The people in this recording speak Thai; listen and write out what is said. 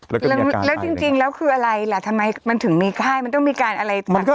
และจริงแล้วมันถึงมีการ์ไหล